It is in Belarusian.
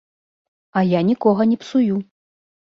А я нікога не псую.